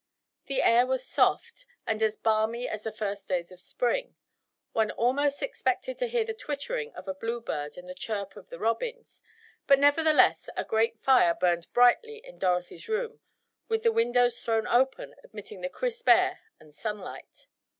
The air was soft, and as balmy as the first days of Spring. One almost expected to hear the twittering of a bluebird and the chirp of the robins, but nevertheless a grate fire burned brightly in Dorothy's room, with the windows thrown open admitting the crisp air and sunlight.